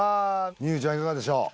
望結ちゃんいかがでしょう？